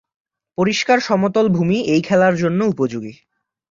পরিষ্কার সমতল ভুমি এই খেলার জন্য উপযোগী।